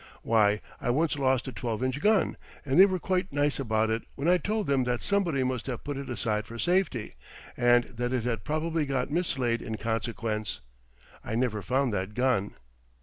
Why I once lost a 12 inch gun, and they were quite nice about it when I told them that somebody must have put it aside for safety, and that it had probably got mislaid in consequence. I never found that gun.